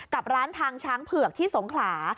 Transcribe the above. กับร้านทางช้างเผือกที่สงขลา